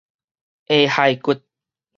下頦骨